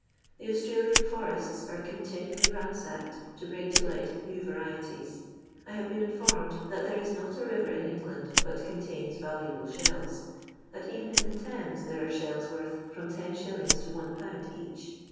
The Austra lian foresu are continually ransacked to bring to light new Tarieties. I have been informed that there is not a rirer in England but contabs Taluable shells; that even in the Thames there are shells worth from 10s. to 1/. each.